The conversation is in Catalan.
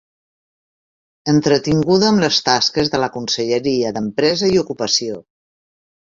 Entretinguda amb les tasques de la Conselleria d'Empresa i Ocupació.